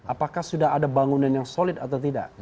apakah sudah ada bangunan yang solid atau tidak